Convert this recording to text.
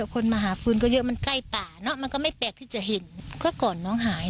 คนมาหาฟืนก็ค่อยใกล้ป่าเหมือนกันเนาะ